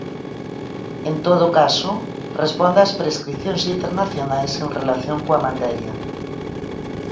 En todo caso, responde ás prescricións internacionais en relación coa materia.